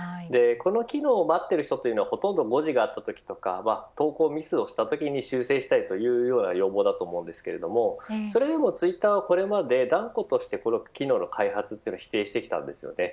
この機能を待っている人のほとんどは誤字があったときとか投稿ミスをしたときに修正したいというような要望だと思うんですけどそれでもツイッターはこれまで断固として昨日の開発を否定してきたんです。